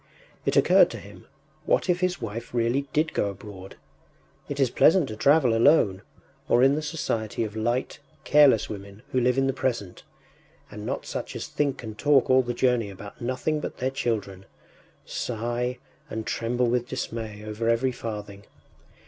It occurred to him: what if his wife really did go abroad? It is pleasant to travel alone, or in the society of light, careless women who live in the present, and not such as think and talk all the journey about nothing but their children, sigh, and tremble with dismay over every farthing.